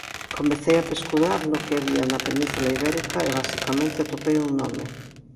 Comecei a pescudar no que había na Península Ibérica e basicamente atopei un nome.